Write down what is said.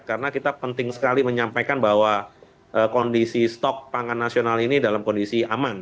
karena kita penting sekali menyampaikan bahwa kondisi stok pangan nasional ini dalam kondisi aman